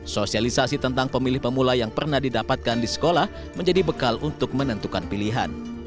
sosialisasi tentang pemilih pemula yang pernah didapatkan di sekolah menjadi bekal untuk menentukan pilihan